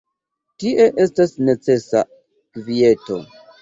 Tie estas necesa kvieto.